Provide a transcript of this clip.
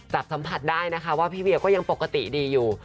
จับสัมผัสได้นะคะว่าพี่เวียก็ยังปกติดีอยู่